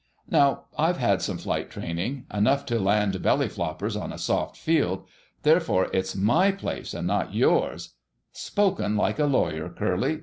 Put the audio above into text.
Now, I've had some flight training, enough to land belly floppers on a soft field. Therefore it's my place and not yours—" "Spoken like a lawyer, Curly!"